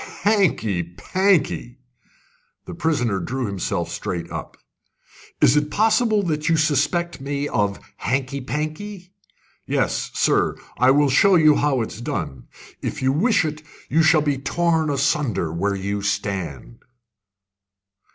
"Hanky panky!" The prisoner drew himself straight up. "Is it possible that you suspect me of hanky panky? Yes, sir, I will show you how it's done. If you wish it, you shall be torn asunder where you stand."